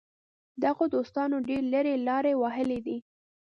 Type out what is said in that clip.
دغو دوستانو ډېرې لرې لارې وهلې دي.